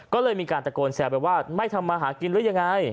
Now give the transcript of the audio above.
ก็เลยมีการตะโกนแซวไปว่าไม่ทำมาหากินหรือยังไง